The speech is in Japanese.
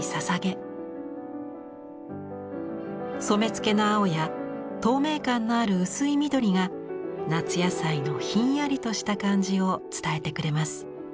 染付の青や透明感のある薄い緑が夏野菜のひんやりとした感じを伝えてくれます。